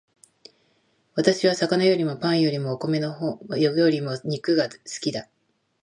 私は魚よりもパンよりもお米よりも肉が好きだ